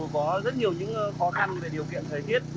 có rất nhiều những khó khăn về điều kiện thời tiết